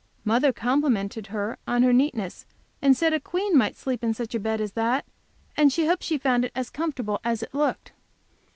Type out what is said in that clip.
Mother complimented her on her neatness, and said a queen might sleep in such a bed as that, and hoped she found it as comfortable as it looked.